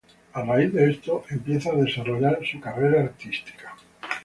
A raíz de esto, empieza a desarrollar su carrera artística.